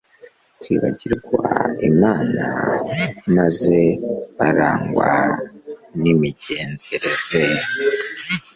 kwibagirwa Imana, maze barangwa n’imigenzereze